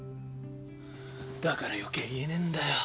だから余計言えねえんだよ。